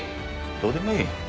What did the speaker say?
どうでもいい。